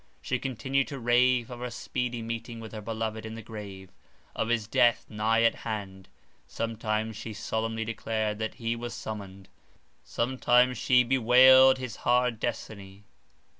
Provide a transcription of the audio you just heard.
She continued to rave of her speedy meeting with her beloved in the grave, of his death nigh at hand; sometimes she solemnly declared that he was summoned; sometimes she bewailed his hard destiny.